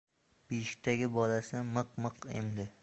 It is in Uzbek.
Beshikdagi bolasi miq-miq emdi.